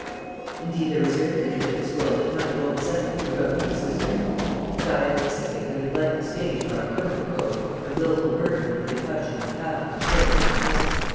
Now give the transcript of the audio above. "Indeed, there is very little in this world that money won't settle," he wrote to his sister; "and I anticipate that enlightened stage of our criminal code when wilful murder will be a question of pounds, shillings, and pence.